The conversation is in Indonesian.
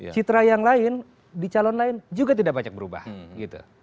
citra yang lain di calon lain juga tidak banyak berubah gitu